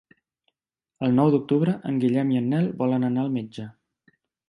El nou d'octubre en Guillem i en Nel volen anar al metge.